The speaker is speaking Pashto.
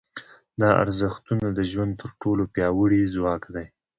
دا ارزښتونه د ژوند تر ټولو پیاوړي ځواک دي.